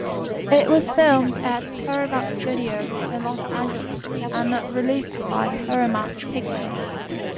It was filmed at Paramount Studios in Los Angeles and released by Paramount Pictures.